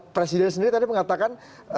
presiden sendiri tadi mengatakan